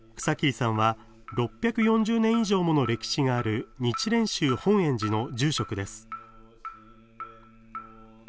草切さんは、６４０年以上もの歴史がある日蓮宗本円寺の住職です。